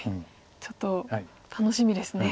ちょっと楽しみですね。